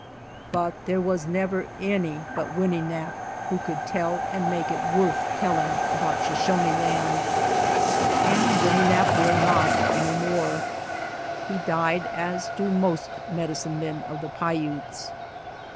But there was never any 95 SHOSHONE LAND but Winnenap' who could tell and make it worth telling about Shoshone Land. And Winnenap' will not any more. He died, as do most medicine men of the Paiutes.